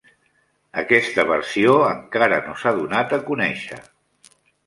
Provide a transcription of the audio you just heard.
Aquesta versió encara no s'ha donat a conèixer.